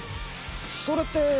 それって。